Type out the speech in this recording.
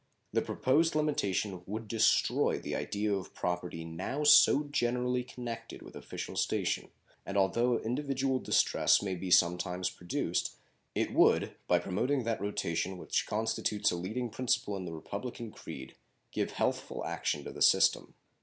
The proposed limitation would destroy the idea of property now so generally connected with official station, and although individual distress may be some times produced, it would, by promoting that rotation which constitutes a leading principle in the republican creed, give healthful action to the system.